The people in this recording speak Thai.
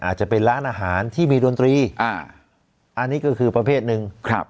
อาจจะเป็นร้านอาหารที่มีดนตรีอ่าอันนี้ก็คือประเภทหนึ่งครับ